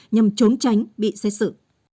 nhằm trốn tránh bị xét xử